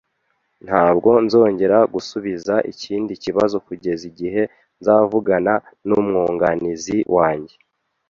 Ntabwo nzongera gusubiza ikindi kibazo kugeza igihe nzavugana n'umwunganizi wanjye